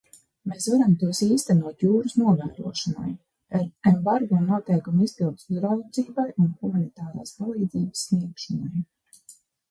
Mēs varam tos īstenot jūras novērošanai, embargo noteikumu izpildes uzraudzībai un humanitārās palīdzības sniegšanai.